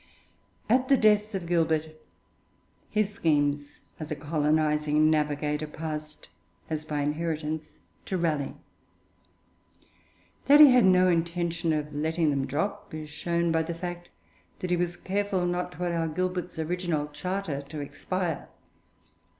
At the death of Gilbert, his schemes as a colonising navigator passed, as by inheritance, to Raleigh. That he had no intention of letting them drop is shown by the fact that he was careful not to allow Gilbert's original charter to expire.